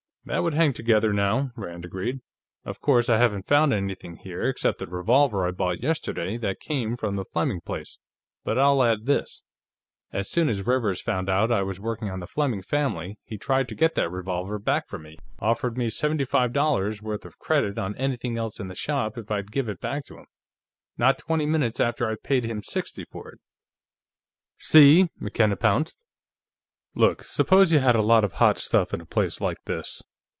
"That would hang together, now," Rand agreed. "Of course, I haven't found anything here, except the revolver I bought yesterday, that came from the Fleming place, but I'll add this: As soon as Rivers found out I was working for the Fleming family, he tried to get that revolver back from me. Offered me seventy five dollars' worth of credit on anything else in the shop if I'd give it back to him, not twenty minutes after I'd paid him sixty for it." "See!" McKenna pounced. "Look; suppose you had a lot of hot stuff, in a place like this.